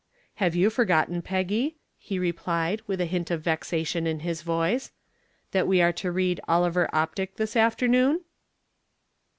"Have you forgotten, Peggy," he replied, with a hint of vexation in his voice, "that we are to read 'Oliver Optic' this afternoon?"